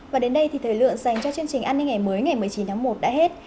và đến đây thì thời lượng dành cho chương trình an ninh ngày mới ngày một mươi chín tháng một đã hết